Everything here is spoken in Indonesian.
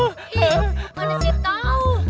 ih mana saya tahu